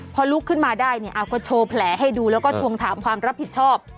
พอลุกขึ้นมาได้เนี่ยก็โชว์แผลให้ดูแล้วก็ทวงถามความรับผิดชอบ